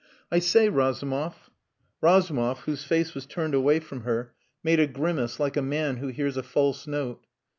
"I say, Razumov!" Razumov, whose face was turned away from her, made a grimace like a man who hears a false note.